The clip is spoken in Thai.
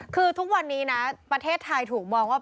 คือทุกวันนี้นะประเทศไทยถูกมองว่า